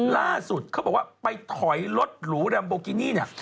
ล่าสุดเขาบอกว่าไปถอยรถหรูแรมโบกินี่เนี่ย